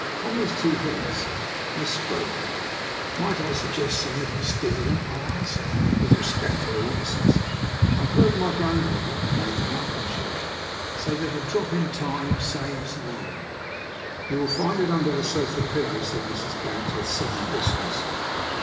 Upon these two hints I spoke. "Might I suggest some little stimulant?" I asked, with respectful earnestness. "I have heard my grandmother (Lady Malkinshaw) say that, 'a drop in time saves nine.'" "You will find it under the sofa pillow," said Mrs. Baggs, with sudden briskness.